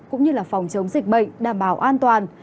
cũng như phòng chống dịch bệnh đảm bảo an toàn